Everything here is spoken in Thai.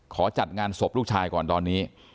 จัดงานศพลูกชายก่อนตอนนี้